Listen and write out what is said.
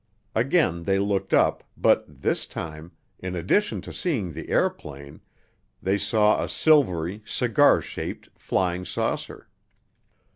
Again they looked up, but this time, in addition to seeing the airplane, they saw a silvery, cigar shaped "flying saucer."